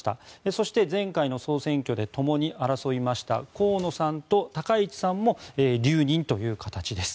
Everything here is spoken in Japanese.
そして、前回の総選挙でともに争いました河野さんと高市さんも留任という形です。